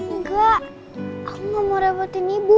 enggak aku mau repotin ibu